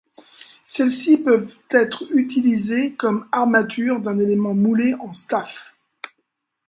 Celles-ci peuvent être utilisées comme armatures d'un élément moulé en staff.